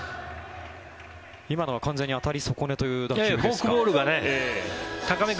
今のは完全に当たり損ねという打球ですか。